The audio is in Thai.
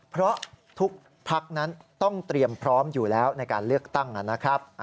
เพราะทุกพักนั้นต้องเตรียมพร้อมอยู่แล้วในการเลือกตั้งนะครับ